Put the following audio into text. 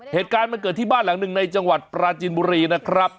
เหตุการณ์มันเกิดที่บ้านหลังหนึ่งในจังหวัดปราจินบุรีนะครับ